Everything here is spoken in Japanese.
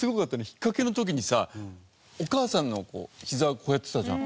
引っかけの時にさお母さんのひざをこうやってたじゃん。